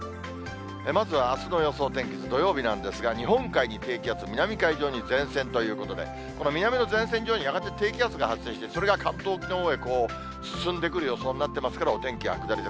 まずはあすの予想天気図、土曜日なんですが、日本海に低気圧、南海上に前線ということで、この南の前線上にやがて低気圧が発生して、それが関東沖へ進んでくる予想になってますから、お天気は下り坂。